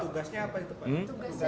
tugasnya apa itu pak